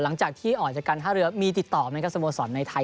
หลังจากที่ออกจากการท่าเรือมีติดต่อไหมครับสโมสรในไทย